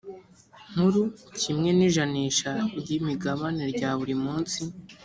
nkuru kimwe n ijanisha ry imigabane rya buri munsi